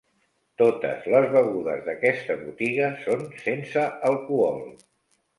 totes les begudes d'aquesta botiga són sense alcohol.